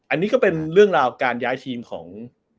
อันนี้ก็เป็นเรื่องราวการย้ายทีมของ